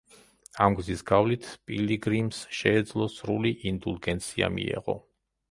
ამ გზის გავლით, პილიგრიმს შეეძლო სრული ინდულგენცია მიეღო.